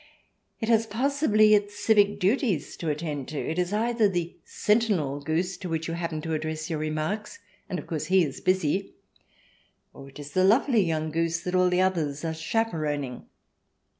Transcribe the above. It has possibly its civic duties to attend to. It is either the sentinel goose to which you happen to address your remarks, and of course he is busy, or it is the lovely young goose that all the others are chaperoning.